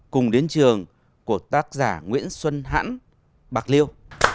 cùng đến trường của tác giả nguyễn xuân hãn bạc liêu